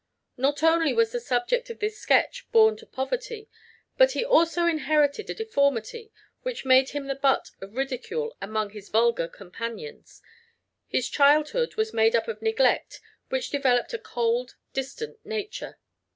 Not only was the subject of this sketch born to poverty, but he also inherited a deformity which made him the butt of ridicule among his vulgar companions. His childhood was made up of neglect which developed a cold, distant nature.